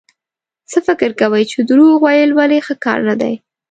څه فکر کوئ چې دروغ ويل ولې ښه کار نه دی؟